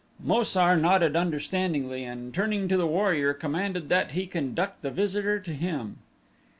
Mo sar nodded understandingly and turning to the warrior commanded that he conduct the visitor to him.